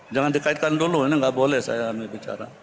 jangan dikaitkan dulu ini nggak boleh saya bicara